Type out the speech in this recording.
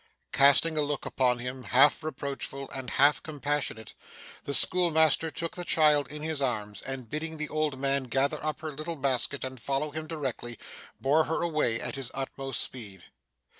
Casting a look upon him, half reproachful and half compassionate, the schoolmaster took the child in his arms, and, bidding the old man gather up her little basket and follow him directly, bore her away at his utmost speed.